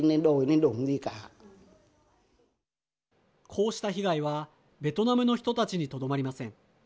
こうした被害はベトナムの人たちにとどまりません。